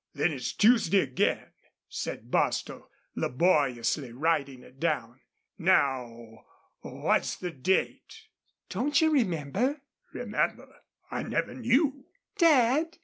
Then it's Tuesday again," said Bostil, laboriously writing it down. "Now, what's the date?" "Don't you remember?" "Remember? I never knew." "Dad!